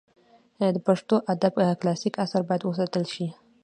د پښتو ادب کلاسیک آثار باید وساتل سي.